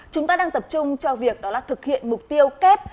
chúng ta đang tập trung cho việc đó là thực hiện mục tiêu kép